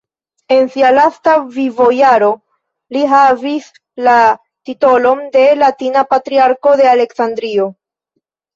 En sia lasta vivojaro li havis la titolon de "Latina Patriarko de Aleksandrio".